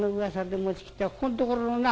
「ここんところをな」。